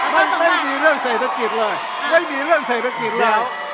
ไม่มีเรื่องเศรษฐกิจเลยไม่มีเรื่องเศรษฐกิจแล้ว